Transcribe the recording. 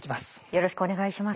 よろしくお願いします。